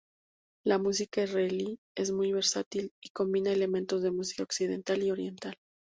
La música israelí es muy versátil y combina elementos de música occidental y oriental.